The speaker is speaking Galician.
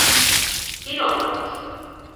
Pirómanos?